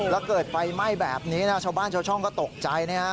แล้วเกิดไฟไหม้แบบนี้นะชาวบ้านชาวช่องก็ตกใจนะฮะ